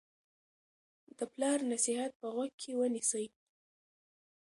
د پلار نصیحت په غوږ کې ونیسئ.